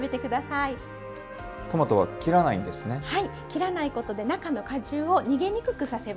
切らないことで中の果汁を逃げにくくさせます。